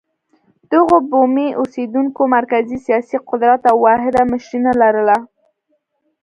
دغو بومي اوسېدونکو مرکزي سیاسي قدرت او واحده مشري نه لرله.